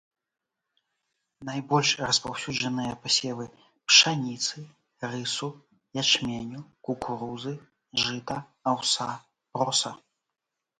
Найбольш распаўсюджаныя пасевы пшаніцы, рысу, ячменю, кукурузы, жыта, аўса, проса.